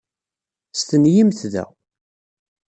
Stenyimt da.